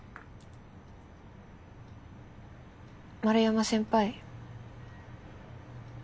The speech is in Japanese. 丸山先輩。